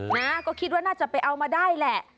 นะก็คิดว่าน่าจะไปเอามาได้แหละ